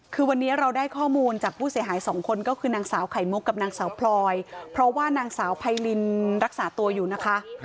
คือวันนี้เราได้ข้อมูลจากผู้เสียหายสองคนก็คือนางสาวไข่มุกกับนางสาวพลอยเพราะว่านางสาวไพรินรักษาตัวอยู่นะคะ